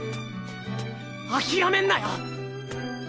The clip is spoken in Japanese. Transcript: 諦めんなや！